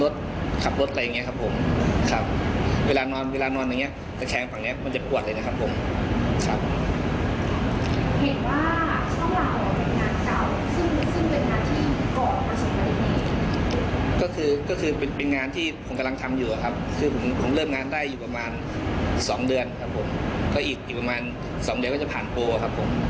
ด้วยอีกสองเดือนจะผ่านโปร